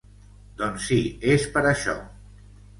Doncs sí és per això.